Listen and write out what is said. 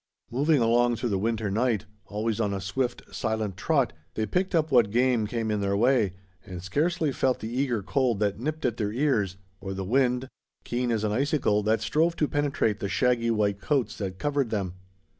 Moving along through the winter night, always on a swift, silent trot, they picked up what game came in their way, and scarcely felt the eager cold that nipped at their ears, or the wind, keen as an icicle, that strove to penetrate the shaggy white coats that covered them.